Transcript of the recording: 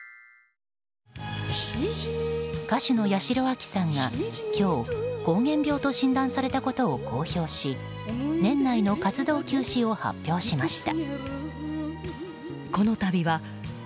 歌手の八代亜紀さんが今日、膠原病と診断されたことを公表し年内の活動休止を発表しました。